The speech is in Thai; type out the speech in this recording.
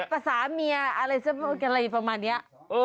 ป้าสาเมียอะไรอะไรประมาณเนี้ย